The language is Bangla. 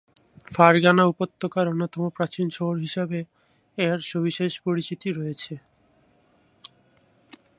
ফারগানা উপত্যকার অন্যতম প্রাচীন শহর হিসেবে এর সবিশেষ পরিচিতি রয়েছে।